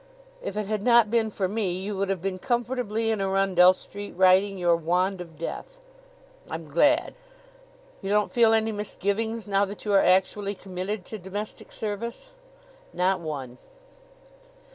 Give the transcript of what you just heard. If it had not been for me you would have been comfortably in Arundell Street, writing your Wand of Death." "I'm glad." "You don't feel any misgivings now that you are actually committed to domestic service?" "Not one."